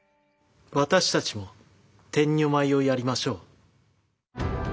私たちも天女舞をやりましょう。